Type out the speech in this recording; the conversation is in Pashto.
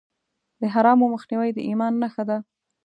د حرامو مخنیوی د ایمان نښه ده.